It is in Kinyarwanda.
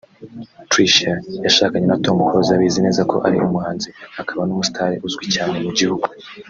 Tricia yashakanye na Tom Close abizi neza ko ari umuhanzi akaba n’umusitari uzwi cyane mu gihugu